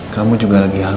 kamu juga lagi hamil